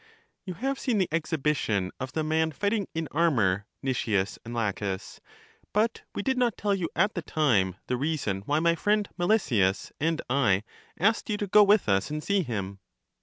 You have seen the exhibition of the man fighting in armor, Nicias and Laehes, but we did not tell you at the time the reason why my friend Melesias and I asked you to go with us and see him.